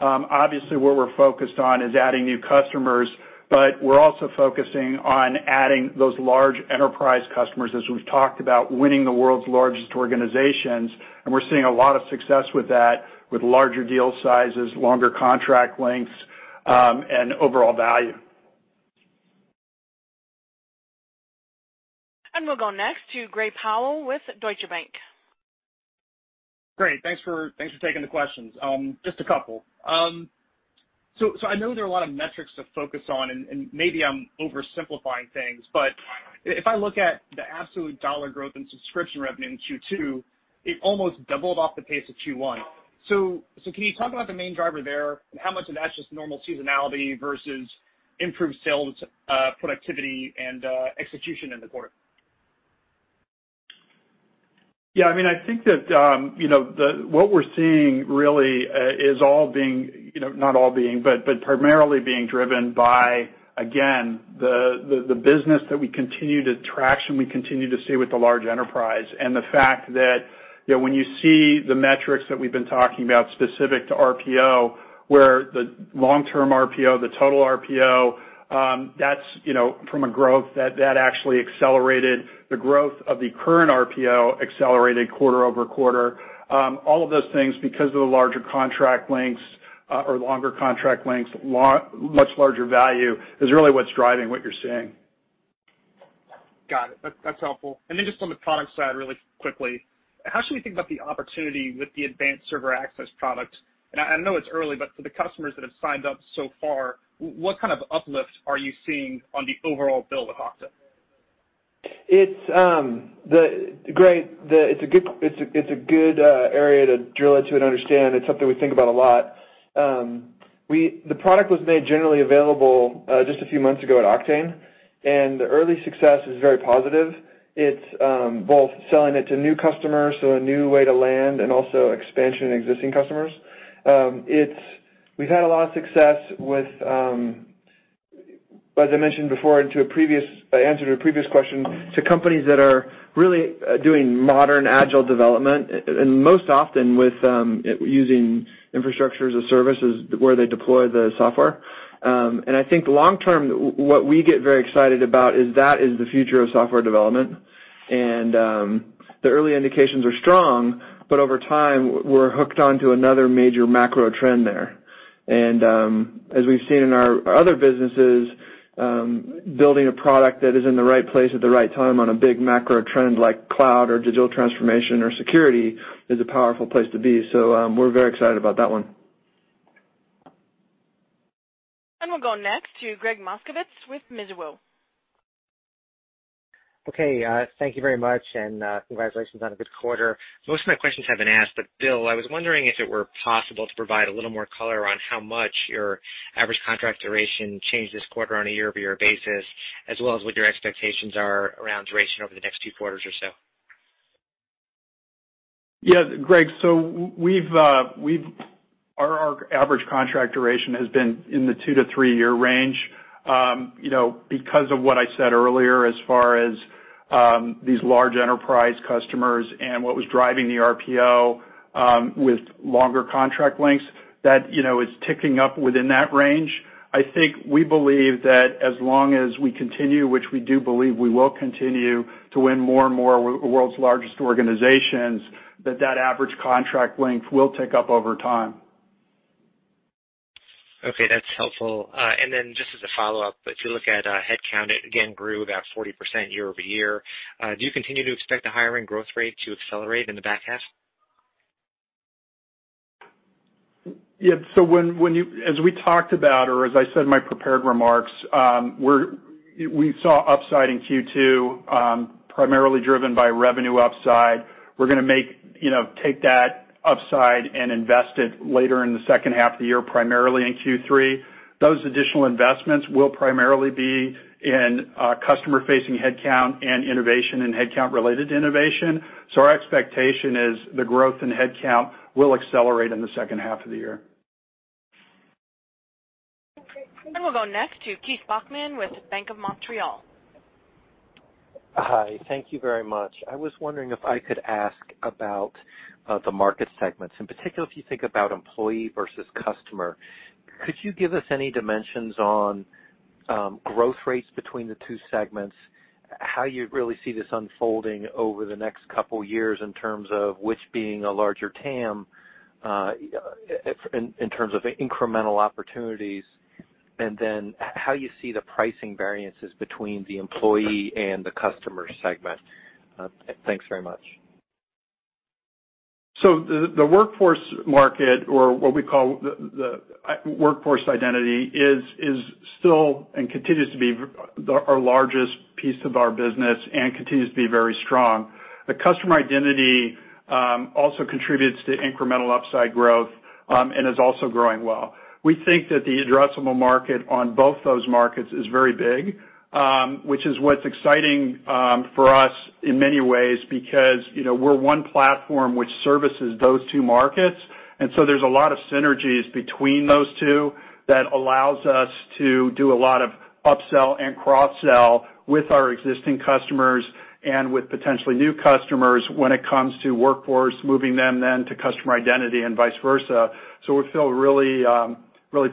obviously what we're focused on is adding new customers, but we're also focusing on adding those large enterprise customers as we've talked about, winning the world's largest organizations, and we're seeing a lot of success with that, with larger deal sizes, longer contract lengths, and overall value. We'll go next to Gray Powell with Deutsche Bank. Great. Thanks for taking the questions. Just a couple. I know there are a lot of metrics to focus on, and maybe I'm oversimplifying things, but if I look at the absolute dollar growth in subscription revenue in Q2, it almost doubled off the pace of Q1. Can you talk about the main driver there and how much of that's just normal seasonality versus improved sales, productivity and execution in the quarter? I think that what we're seeing really is all being, not all being, but primarily being driven by, again, the business that we continue to traction, we continue to see with the large enterprise. The fact that when you see the metrics that we've been talking about specific to RPO, where the long-term RPO, the total RPO, that actually accelerated the growth of the current RPO accelerated quarter-over-quarter. All of those things because of the larger contract lengths, or longer contract lengths, much larger value is really what's driving what you're seeing. Got it. That's helpful. Then just on the product side really quickly, how should we think about the opportunity with the Advanced Server Access product? I know it's early, but for the customers that have signed up so far, what kind of uplift are you seeing on the overall bill with Okta? Gray, it's a good area to drill into and understand. It's something we think about a lot. The product was made generally available just a few months ago at Oktane, and the early success is very positive. It's both selling it to new customers, so a new way to land and also expansion in existing customers. We've had a lot of success with, as I mentioned before, in answer to a previous question, to companies that are really doing modern agile development, and most often with using infrastructure as a service is where they deploy the software. I think long-term, what we get very excited about is that is the future of software development. The early indications are strong, but over time, we're hooked onto another major macro trend there. As we've seen in our other businesses, building a product that is in the right place at the right time on a big macro trend like cloud or digital transformation or security is a powerful place to be. We're very excited about that one. We'll go next to Gregg Moskowitz with Mizuho. Okay, thank you very much, and congratulations on a good quarter. Most of my questions have been asked, but Bill, I was wondering if it were possible to provide a little more color on how much your average contract duration changed this quarter on a year-over-year basis, as well as what your expectations are around duration over the next few quarters or so. Yeah, Gregg, our average contract duration has been in the two to three-year range. Because of what I said earlier as far as these large enterprise customers and what was driving the RPO, with longer contract lengths, that is ticking up within that range. I think we believe that as long as we continue, which we do believe we will continue, to win more and more world's largest organizations, that that average contract length will tick up over time. Okay, that's helpful. Just as a follow-up, if you look at headcount, it again grew about 40% year-over-year. Do you continue to expect the hiring growth rate to accelerate in the back half? As we talked about, or as I said in my prepared remarks, we saw upside in Q2, primarily driven by revenue upside. We're going to take that upside and invest it later in the second half of the year, primarily in Q3. Those additional investments will primarily be in customer-facing headcount and innovation and headcount related to innovation. Our expectation is the growth in headcount will accelerate in the second half of the year. We'll go next to Keith Bachman with Bank of Montreal. Hi. Thank you very much. I was wondering if I could ask about the market segments, in particular if you think about employee versus customer. Could you give us any dimensions on growth rates between the two segments, how you really see this unfolding over the next couple of years in terms of which being a larger TAM, in terms of incremental opportunities, and then how you see the pricing variances between the employee and the customer segment? Thanks very much. The workforce market, or what we call the Workforce Identity, is still and continues to be our largest piece of our business and continues to be very strong. The Customer Identity also contributes to incremental upside growth and is also growing well. We think that the addressable market on both those markets is very big, which is what's exciting for us in many ways because we're one platform which services those two markets. There's a lot of synergies between those two that allows us to do a lot of upsell and cross-sell with our existing customers and with potentially new customers when it comes to workforce, moving them then to Customer Identity and vice versa. We feel really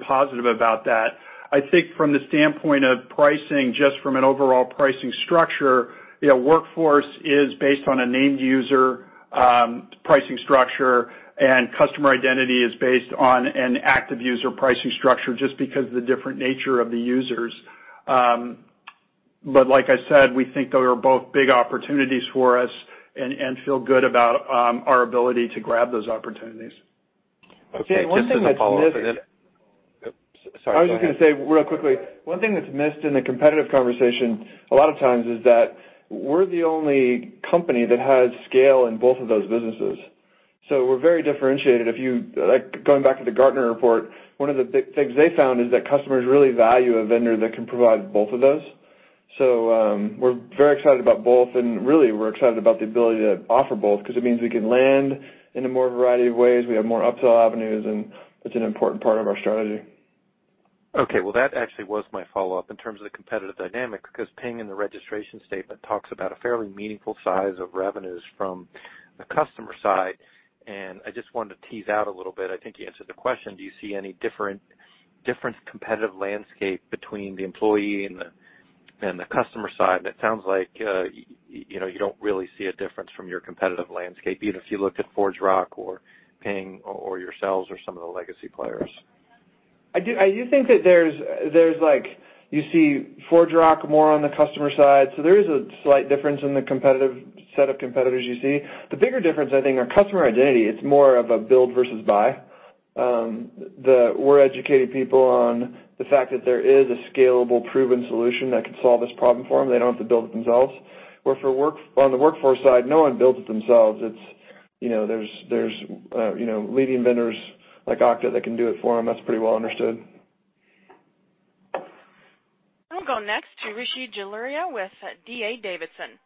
positive about that. I think from the standpoint of pricing, just from an overall pricing structure, Workforce is based on a named-user pricing structure, and Customer Identity is based on an active-user pricing structure just because of the different nature of the users. But like I said, we think they are both big opportunities for us and feel good about our ability to grab those opportunities. Okay, just as a follow-up. One thing that's missed. Sorry, go ahead. I was just going to say real quickly, one thing that's missed in the competitive conversation a lot of times is that we're the only company that has scale in both of those businesses. We're very differentiated. Going back to the Gartner report, one of the big things they found is that customers really value a vendor that can provide both of those. We're very excited about both, and really we're excited about the ability to offer both because it means we can land in a more variety of ways. We have more upsell avenues, and it's an important part of our strategy. Okay. Well, that actually was my follow-up in terms of the competitive dynamic, because Ping in the registration statement talks about a fairly meaningful size of revenues from the customer side, and I just wanted to tease out a little bit. I think you answered the question. Do you see any different competitive landscape between the employee and the customer side? That sounds like you don't really see a difference from your competitive landscape, even if you look at ForgeRock or Ping or yourselves or some of the legacy players. I do think that there's like, you see ForgeRock more on the customer side. There is a slight difference in the set of competitors you see. The bigger difference, I think, are customer identity. It's more of a build versus buy. We're educating people on the fact that there is a scalable, proven solution that can solve this problem for them. They don't have to build it themselves. Where on the workforce side, no one builds it themselves. There's leading vendors like Okta that can do it for them. That's pretty well understood. I'll go next to Rishi Jaluria with D.A. Davidson.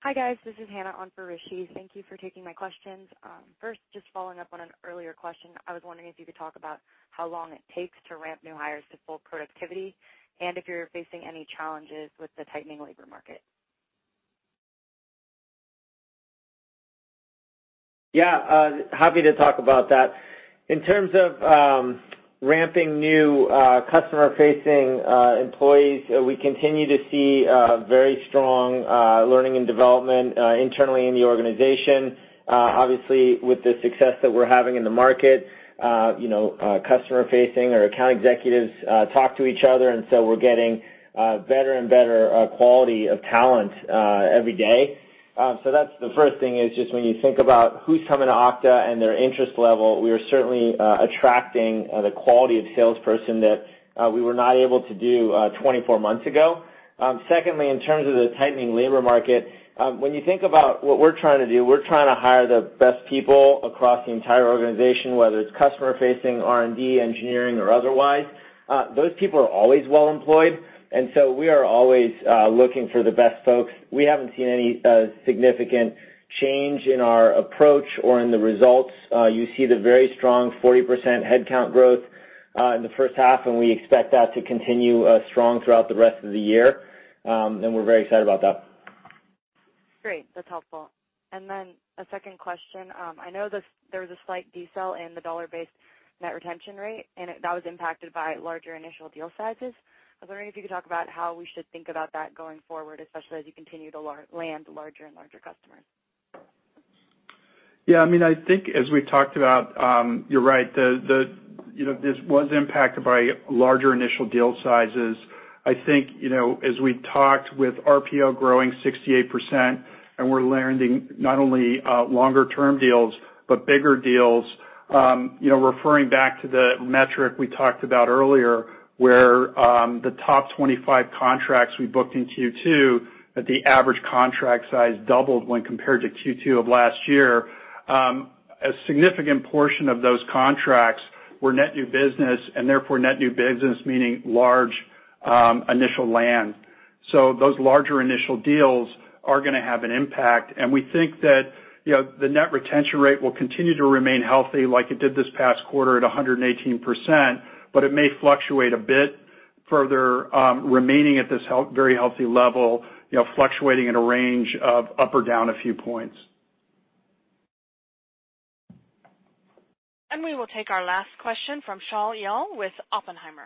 Hi, guys. This is Hannah on for Rishi. Thank you for taking my questions. First, just following up on an earlier question, I was wondering if you could talk about how long it takes to ramp new hires to full productivity and if you're facing any challenges with the tightening labor market. Yeah. Happy to talk about that. In terms of ramping new customer-facing employees, we continue to see very strong learning and development internally in the organization. Obviously, with the success that we're having in the market, customer facing or account executives talk to each other, and so we're getting better and better quality of talent every day. That's the first thing is just when you think about who's coming to Okta and their interest level, we are certainly attracting the quality of salesperson that we were not able to do 24 months ago. Secondly, in terms of the tightening labor market, when you think about what we're trying to do, we're trying to hire the best people across the entire organization, whether it's customer facing, R&D, engineering, or otherwise. Those people are always well-employed, and so we are always looking for the best folks. We haven't seen any significant change in our approach or in the results. You see the very strong 40% headcount growth in the first half. We expect that to continue strong throughout the rest of the year. We're very excited about that. Great. That's helpful. A second question. I know there was a slight decel in the dollar-based net retention rate, and that was impacted by larger initial deal sizes. I was wondering if you could talk about how we should think about that going forward, especially as you continue to land larger and larger customers. I think as we talked about, you're right. This was impacted by larger initial deal sizes. I think, as we talked with RPO growing 68%, we're landing not only longer-term deals, but bigger deals. Referring back to the metric we talked about earlier, where the top 25 contracts we booked in Q2, that the average contract size doubled when compared to Q2 of last year. A significant portion of those contracts were net new business, and therefore net new business meaning large initial land. Those larger initial deals are going to have an impact, and we think that the net retention rate will continue to remain healthy like it did this past quarter at 118%, but it may fluctuate a bit further, remaining at this very healthy level, fluctuating at a range of up or down a few points. We will take our last question from Shaul Eyal with Oppenheimer.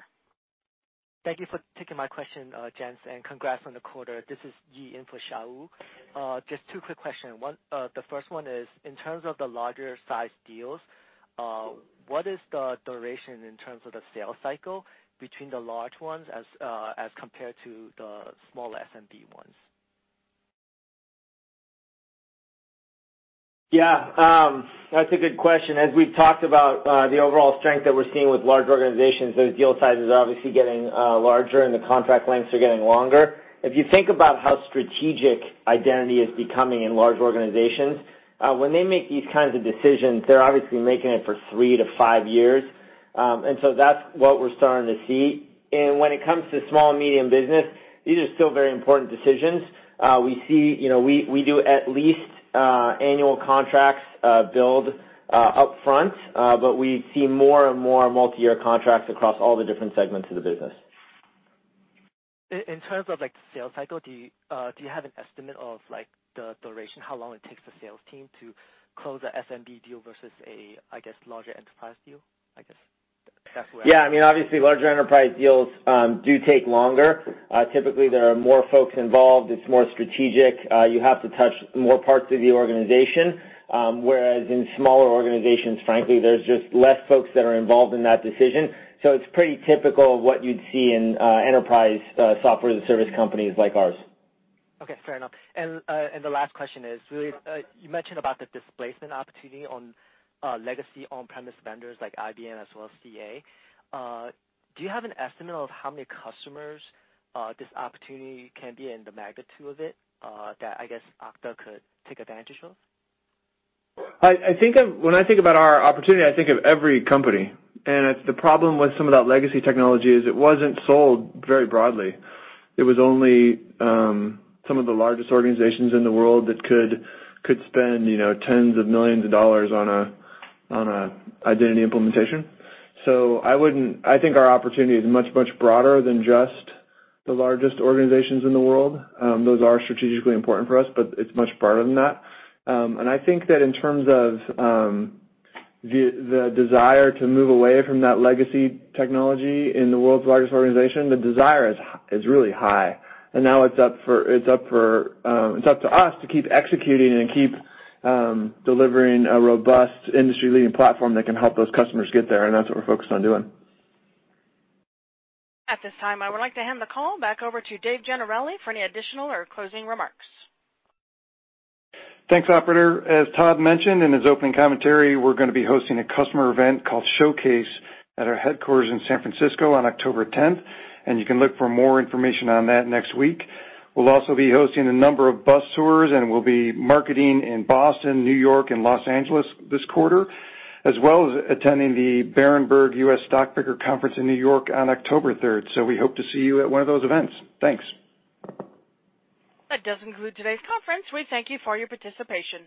Thank you for taking my question, gents, and congrats on the quarter. This is Yi in for Shaul. Just two quick questions. The first one is, in terms of the larger size deals, what is the duration in terms of the sales cycle between the large ones as compared to the small SMB ones? That's a good question. As we've talked about the overall strength that we're seeing with large organizations, those deal sizes are obviously getting larger and the contract lengths are getting longer. If you think about how strategic identity is becoming in large organizations, when they make these kinds of decisions, they're obviously making it for three to five years. That's what we're starting to see. When it comes to small and medium business, these are still very important decisions. We do at least annual contracts billed upfront, we see more and more multi-year contracts across all the different segments of the business. In terms of the sales cycle, do you have an estimate of the duration, how long it takes the sales team to close a SMB deal versus a, I guess, larger enterprise deal, I guess? Yeah. Obviously, larger enterprise deals do take longer. Typically, there are more folks involved. It's more strategic. You have to touch more parts of the organization. Whereas in smaller organizations, frankly, there's just less folks that are involved in that decision. It's pretty typical of what you'd see in enterprise software and service companies like ours. Okay. Fair enough. The last question is, you mentioned about the displacement opportunity on legacy on-premise vendors like IBM as well as CA. Do you have an estimate of how many customers this opportunity can be and the magnitude of it that I guess Okta could take advantage of? When I think about our opportunity, I think of every company. The problem with some of that legacy technology is it wasn't sold very broadly. It was only some of the largest organizations in the world that could spend tens of millions of dollars on an identity implementation. I think our opportunity is much, much broader than just the largest organizations in the world. Those are strategically important for us, but it's much broader than that. I think that in terms of the desire to move away from that legacy technology in the world's largest organization, the desire is really high. Now it's up to us to keep executing and keep delivering a robust industry-leading platform that can help those customers get there, and that's what we're focused on doing. At this time, I would like to hand the call back over to Dave Gennarelli for any additional or closing remarks. Thanks, operator. As Todd mentioned in his opening commentary, we're going to be hosting a customer event called Showcase at our headquarters in San Francisco on October 10th. You can look for more information on that next week. We'll also be hosting a number of bus tours, and we'll be marketing in Boston, New York, and Los Angeles this quarter, as well as attending the Berenberg US Stockpicker Conference in New York on October 3rd. We hope to see you at one of those events. Thanks. That does conclude today's conference. We thank you for your participation.